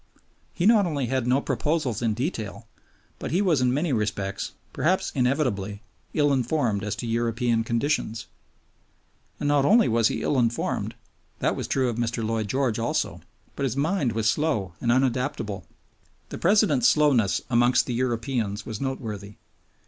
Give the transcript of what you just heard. He not only had no proposals in detail, but he was in many respects, perhaps inevitably, ill informed as to European conditions. And not only was he ill informed that was true of Mr. Lloyd George also but his mind was slow and unadaptable. The President's slowness amongst the Europeans was noteworthy.